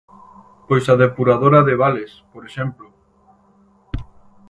Pois a depuradora de Vales, por exemplo.